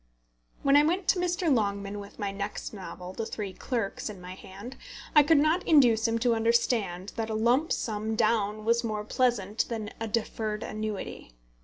When I went to Mr. Longman with my next novel, The Three Clerks, in my hand, I could not induce him to understand that a lump sum down was more pleasant than a deferred annuity.